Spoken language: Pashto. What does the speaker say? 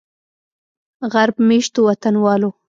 غرب میشتو وطنوالو